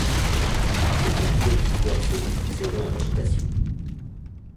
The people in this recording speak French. C’était l’immobilité absolue succédant à l’agitation.